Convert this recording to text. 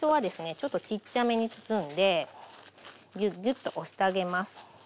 ちょっとちっちゃめに包んでギュッギュッと押してあげます。